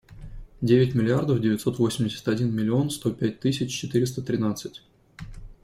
Девять миллиардов девятьсот восемьдесят один миллион сто пять тысяч четыреста тринадцать.